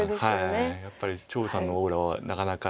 やっぱり張栩さんのオーラはなかなかね。